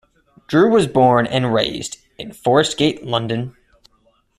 Drew was born and raised in Forest Gate, London.